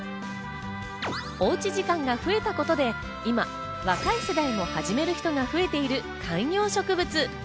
おうち時間が増えたことで今、若い世代も始める人が増えている観葉植物。